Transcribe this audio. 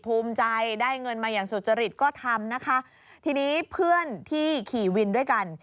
ภูมิใจได้เงินมาอย่างสุจริตก็ทำนะคะทีนี้เพื่อนที่ขี่วินด้วยกัน